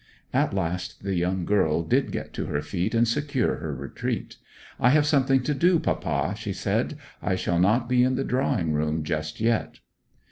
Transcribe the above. At last the young girl did get to her feet and secure her retreat. 'I have something to do, papa,' she said. 'I shall not be in the drawing room just yet.'